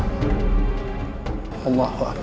assalamualaikum warahmatullahi wabarakatuh